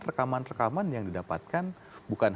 rekaman rekaman yang didapatkan bukan